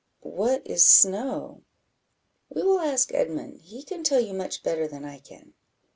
"What is snow?" "We will ask Edmund; he can tell you much better than I can."